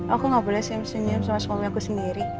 aku gak boleh senyum senyum sama suami aku sendiri